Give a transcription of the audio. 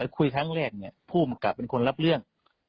ไปคุยครั้งแรกนี่ผู้กับเป็นคนรับเรื่อง